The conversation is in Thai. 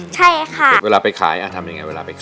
ใช่ค่ะแต่เวลาไปขายอ่ะทำยังไงเวลาไปขาย